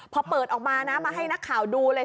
พอเปิดออกมานะมาให้นักข่าวดูเลย